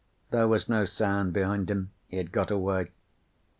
There was no sound behind him. He had got away.